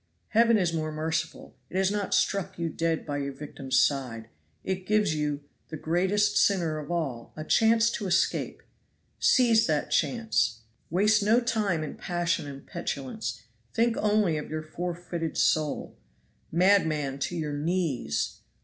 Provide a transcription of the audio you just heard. Heaven is more merciful it has not struck you dead by your victim's side; it gives you, the greatest sinner of all, a chance to escape. Seize that chance. Waste no time in passion and petulance think only of your forfeited soul. Madman, to your knees!